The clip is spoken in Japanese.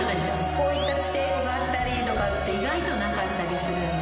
こういった地底湖があったりとかって意外となかったりするので。